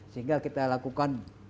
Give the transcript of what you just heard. sehingga kita lakukan dengan yang indonesia